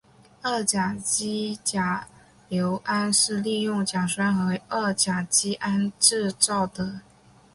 二甲基甲醯胺是利用甲酸和二甲基胺制造的。